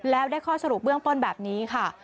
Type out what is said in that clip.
แล้วได้ข้อสรุปเบื้องต้นแบบนี้ค่ะ